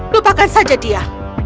lupakan saja dia